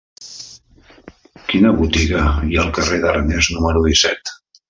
Quina botiga hi ha al carrer d'Arnes número disset?